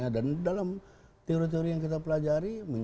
dan dalam teori teori yang kita pelajari